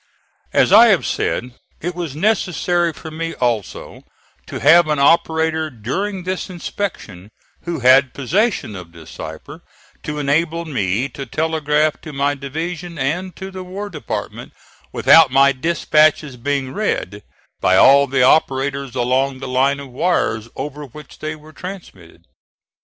As I have said, it was necessary for me also to have an operator during this inspection who had possession of this cipher to enable me to telegraph to my division and to the War Department without my dispatches being read by all the operators along the line of wires over which they were transmitted.